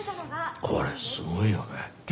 これすごいよね。